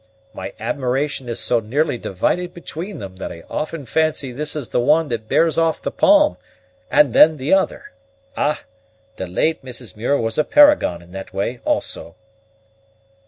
My admiration is so nearly divided between them, that I often fancy this is the one that bears off the palm, and then the other! Ah! the late Mrs. Muir was a paragon in that way also."